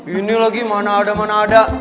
ini lagi mana ada mana ada